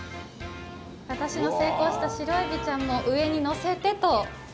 私の成功したシロエビちゃんも上にのせてと。